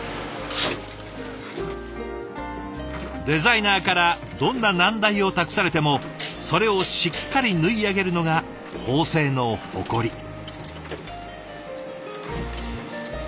デザイナーからどんな難題を託されてもそれをしっかり縫い上げるのが縫製の誇り。